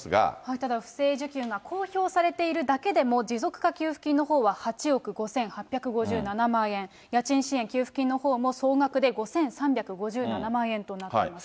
ただ不正受給が公表されているだけでも、持続化給付金のほうは８億５８５７万円、家賃支援給付金のほうも総額で５３５７万円となっております。